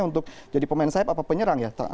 untuk jadi pemain sayap atau penyerang ya